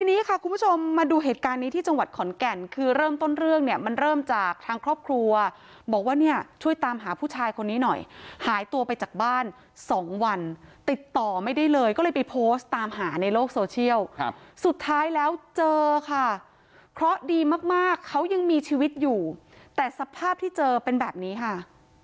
ทีนี้ค่ะคุณผู้ชมมาดูเหตุการณ์นี้ที่จังหวัดขอนแก่นคือเริ่มต้นเรื่องเนี่ยมันเริ่มจากทางครอบครัวบอกว่าเนี่ยช่วยตามหาผู้ชายคนนี้หน่อยหายตัวไปจากบ้านสองวันติดต่อไม่ได้เลยก็เลยไปโพสต์ตามหาในโลกโซเชียลสุดท้ายแล้วเจอค่ะเคราะห์ดีมากเขายังมีชีวิตอยู่แต่สภาพที่เจอเป็นแบบนี้ค่ะ